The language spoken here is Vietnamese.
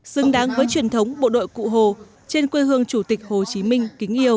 xứng đáng với truyền thống bộ đội cụ hồ trên quê hương chủ tịch hồ chí minh kính yêu